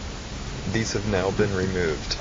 These have now been removed.